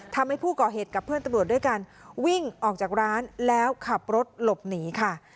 ทำให้ผู้ก่อเหตุกับเพื่อนตำรวจด้วยการวิ่งออกจากร้านแล้วขับรถหลบหนีค่ะ